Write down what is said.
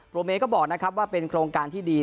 เมย์ก็บอกนะครับว่าเป็นโครงการที่ดี